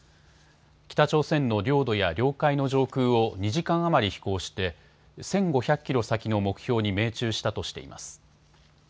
北朝鮮の領土や領海の上空を２時間余り飛行して１５００キロ先の目標に命中したとしています。